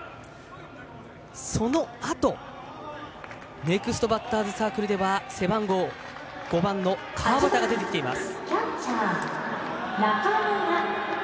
そのあとネクストバッターズサークルでは５番の川端が出てきています。